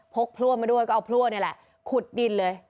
พลั่วมาด้วยก็เอาพลั่วนี่แหละขุดดินเลย